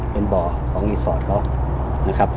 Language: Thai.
เป็นบ่อของรีสอร์ทเขา